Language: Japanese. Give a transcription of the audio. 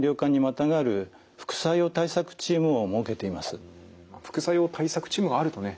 そのため副作用対策チームがあるとね